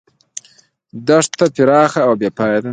دښته پراخه او بې پایه ده.